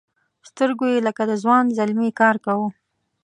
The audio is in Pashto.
سترګو یې لکه د ځوان زلمي کار کاوه.